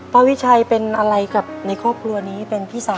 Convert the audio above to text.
วิชัยเป็นอะไรกับในครอบครัวนี้เป็นพี่สาว